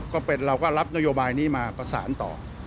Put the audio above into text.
ก็เป็นเราก็รับนโยบายนี้มาประสานต่อ